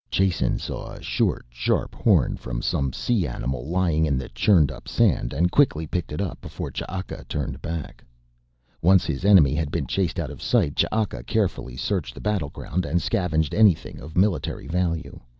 Jason saw a short, sharp horn from some sea animal lying in the churned up sand and quickly picked it up before Ch'aka turned back. Once his enemy had been chased out of sight Ch'aka carefully searched the battleground and scavenged anything of military value.